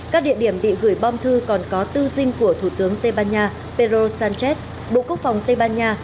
các địa điểm bị gửi bom thư còn có tư dinh của thủ tướng tây ban nha pedro sánchez bộ quốc phòng tây ban nha